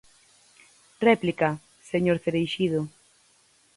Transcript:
Réplica, señor Cereixido.